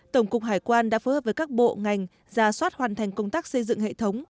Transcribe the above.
tổng cục hải quan đã phối hợp với các bộ ngành ra soát hoàn thành công tác xây dựng hệ thống